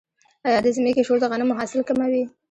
آیا د ځمکې شور د غنمو حاصل کموي؟